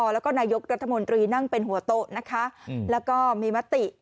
แล้วก็นายกรัฐมนตรีนั่งเป็นหัวโต๊ะนะคะแล้วก็มีมติ